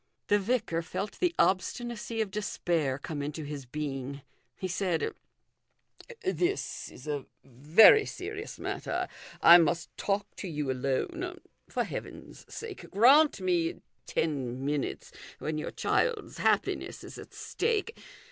The vicar felt the obstinacy of despair come into his being. He said " This is a very serious matter ; I must talk to you alone. For Heaven's sake grant me ten minutes when your child's happiness is at stake.